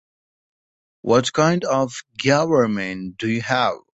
What's kind of government do you have?